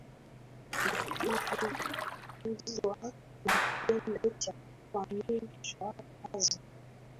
Wamatumbi walichukizwa na kitendo cha kufanyishwa kazi